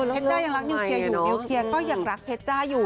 ชจ้ายังรักนิวเคลียร์อยู่นิวเคลียร์ก็ยังรักเพชรจ้าอยู่